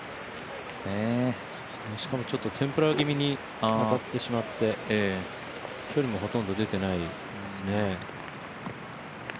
しかもテンプラ気味に当たってしまって距離もほとんど出てないですね。